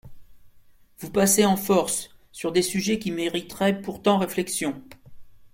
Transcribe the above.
Vous passez en force sur des sujets qui mériteraient pourtant réflexion.